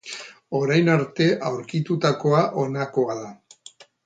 Orain arte aurkitutakoa honakoa da.